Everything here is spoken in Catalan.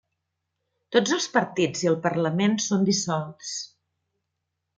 Tots els partits i el Parlament són dissolts.